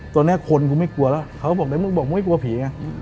ตอนนี้คนกูไม่กลัวแล้วเขาบอกเดี๋ยวมึงบอกมึงไม่กลัวผีไง